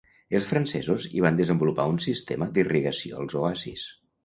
Els francesos hi van desenvolupar un sistema d'irrigació als oasis.